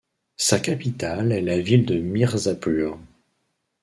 Sa capitale est la ville de Mirzapur.